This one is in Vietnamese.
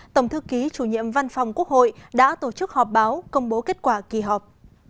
tổng thư ký chủ nhiệm văn phòng quốc hội đã tổ chức họp báo công bố kết quả kỳ họp